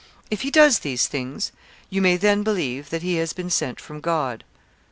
If he does these things, you may then believe that he has been sent from God.